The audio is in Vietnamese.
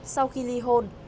sau khi ly hôn